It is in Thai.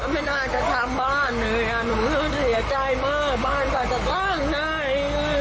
ไม่น่าจะทำบ้านเลยหนูเสียใจมากบ้านฉันจะตั้งให้